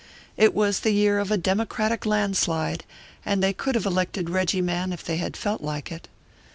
It was the year of a Democratic landslide, and they could have elected Reggie Mann if they had felt like it.